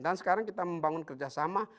dan sekarang kita membangun kerjasama